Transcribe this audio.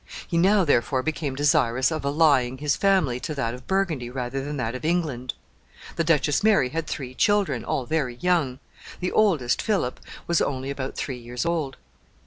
He now, therefore, became desirous of allying his family to that of Burgundy rather than that of England. The Duchess Mary had three children, all very young. The oldest, Philip, was only about three years old.